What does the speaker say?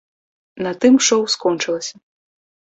На тым шоў скончылася.